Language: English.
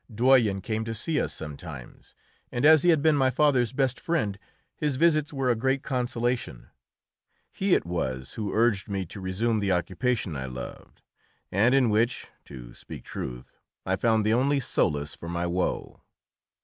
Doyen came to see us sometimes, and as he had been my father's best friend his visits were a great consolation. He it was who urged me to resume the occupation I loved, and in which, to speak truth, I found the only solace for my woe.